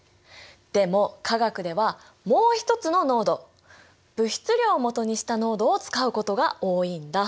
でも化学ではもう一つの濃度物質量を基にした濃度を使うことが多いんだ。